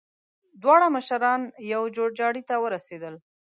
دواړه مشران يوه جوړجاړي ته ورسېدل.